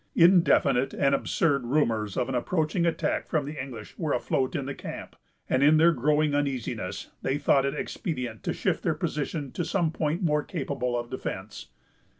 Indefinite and absurd rumors of an approaching attack from the English were afloat in the camp, and, in their growing uneasiness, they thought it expedient to shift their position to some point more capable of defence.